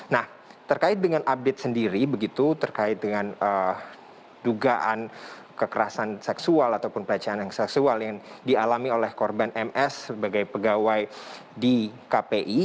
nah terkait dengan update sendiri begitu terkait dengan dugaan kekerasan seksual ataupun pelecehan yang seksual yang dialami oleh korban ms sebagai pegawai di kpi